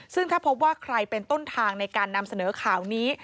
ซึ่งถ้าพบว่าใครเป็นต้นทางในการนำเสนอข่าวนี้